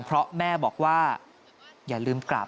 เพราะแม่บอกว่าอย่าลืมกลับ